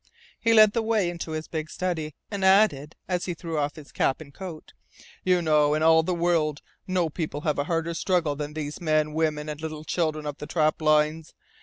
He led the way into his big study; and added, as he threw off his cap and coat: "You know in all the world no people have a harder struggle than these men, women, and little children of the trap lines.